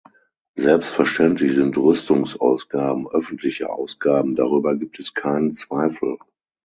Selbstverständlich sind Rüstungsausgaben öffentliche Ausgaben, darüber gibt es keinen Zweifel.